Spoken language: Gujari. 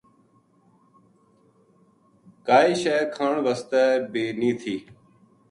کائے شے کھان واسطے بھی نیہہ تھی